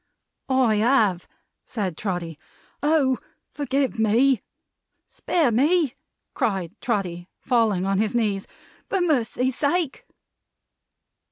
"I have!" said Trotty. "Oh, forgive me!" "Spare me," cried Trotty, falling on his knees; "for Mercy's sake!"